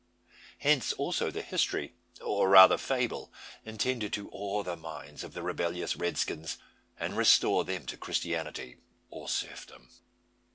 Hence also the history, or rather fable, intended to awe the minds of the rebellious redskins, and restore them to Christanity, or serfdom.